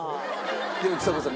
でもちさ子さん